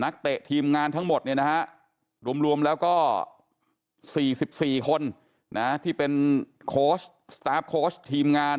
นักเตะทีมงานทั้งหมดรวมแล้วก็๔๔คนที่เป็นสตาฟโคชน์ทีมงาน